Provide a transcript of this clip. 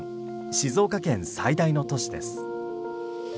静岡県最大の都市です。